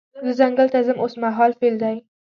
زه ځنګل ته ځم اوس مهال فعل دی.